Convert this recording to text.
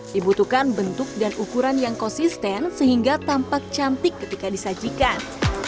dibutuhkan bentuk dan ukuran yang konsisten sehingga tampak cantik ketika disajikan